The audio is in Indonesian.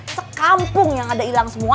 sekampung yang ada hilang semua